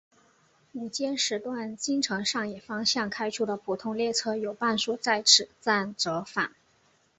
午间时段京成上野方向开出的普通列车有半数在此站折返。